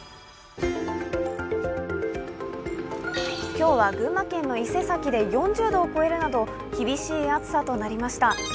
今日は群馬県の伊勢崎で４０度を超えるなど厳しい暑さとなりました。